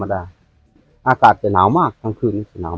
ป่วยอากาศสง่ายก็สงหรัย